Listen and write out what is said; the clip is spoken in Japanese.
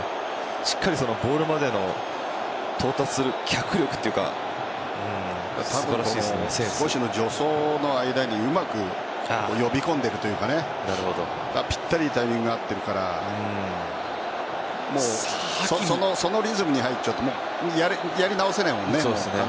しっかりボールまでの到達する脚力というか少しの助走の間にうまく呼び込んでいるというかぴったりタイミングが合っているからそのリズムに入っちゃうとやり直せないもんね。